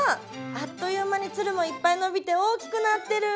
あっという間につるもいっぱい伸びて大きくなってる！